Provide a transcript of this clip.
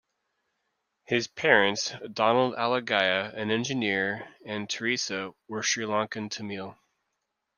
His parents, Donald Alagiah, an engineer, and Therese, were Sri Lankan Tamil.